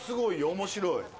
面白い。